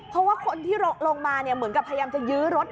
เพราะว่าคนที่ลงมาเหมือนกับพยายามจะยื้อรถ